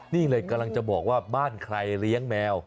นี่เลยกำลังจะบอกว่าบ้านใครเลี้ยงแมว